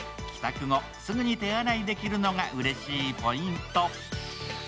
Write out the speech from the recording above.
帰宅後、すぐに手洗いできるのがうれしいポイント。